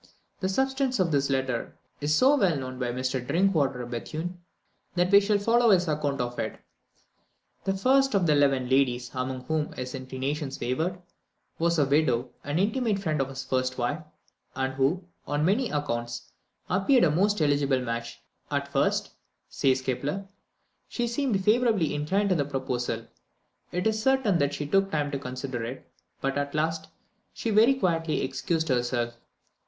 The substance of this letter is so well given by Mr Drinkwater Bethune, that we shall follow his account of it. The first of the eleven ladies among whom his inclinations wavered, "was a widow, an intimate friend of his first wife; and who, on many accounts, appeared a most eligible match. At first," says Kepler, "she seemed favourably inclined to the proposal; it is certain that she took time to consider it, but at last she very quietly excused herself."